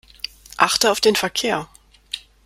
Achte auf den Verkehr.